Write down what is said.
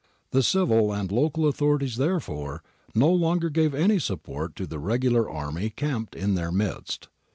The civil and local au thorities, therefore, no longer gave any support to the regular army camped in their midst.